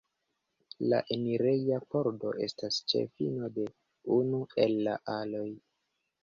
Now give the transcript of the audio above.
La enireja pordo estas ĉe fino de unu el la aloj.